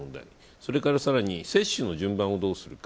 それから、さらに接種の順番をどうするか。